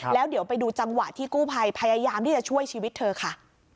แล้วเดี๋ยวไปดูจังหวะที่กู้ภัยพยายามที่จะช่วยชีวิตเธอค่ะ